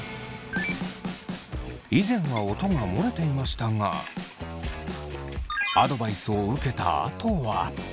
以前は音が漏れていましたがアドバイスを受けたあとは。